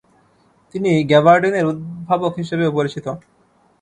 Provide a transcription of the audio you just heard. তিনি গ্যাবার্ডিনের উদ্ভাবক হিসেবেও পরিচিত।